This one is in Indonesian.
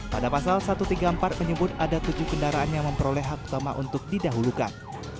pada pasal satu ratus tiga puluh empat menyebut ada tujuh kendaraan yang memperoleh hak utama untuk didahulukan